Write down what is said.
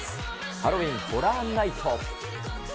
ハロウィーン・ホラー・ナイト。